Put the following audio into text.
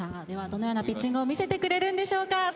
ではどのようなピッチングを見せてくれるのでしょうか。